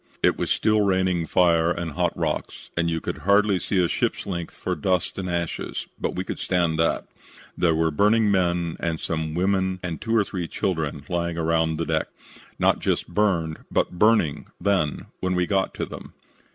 It was still raining fire and hot rocks and you could hardly see a ship's length for dust and ashes, but we could stand that. There were burning men and some women and two or three children lying around the deck. Not just burned, but burning, then, when we got to them.